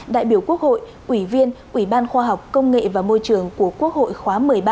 đại biểu quốc hội ủy viên ủy ban khoa học công nghệ và môi trường của quốc hội khóa một mươi ba